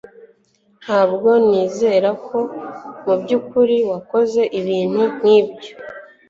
ntabwo nizera ko mubyukuri wakoze ibintu nkibyo